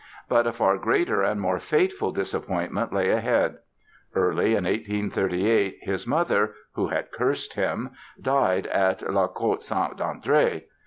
But a far greater and more fateful disappointment lay ahead. Early in 1838 his mother—who had cursed him—died at La Côte Saint André.